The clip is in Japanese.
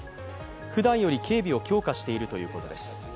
ふだんより警備を強化しているということです。